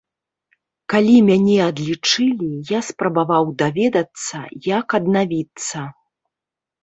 Калі мяне адлічылі, я спрабаваў даведацца, як аднавіцца.